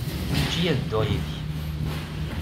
Eǧǧ-iyi ad dduɣ yid-k.